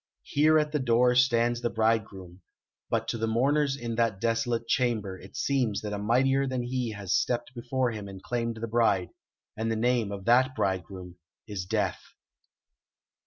Here at the door stands the bridegroom, but to the mourners in that desolate chamber it seems that a mightier than he has stepped before him and claimed the bride, and the name of that bridegroom is Death.